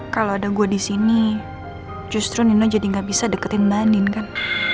kalau ada gue disini justru nino jadi nggak bisa deketin mbak andin kan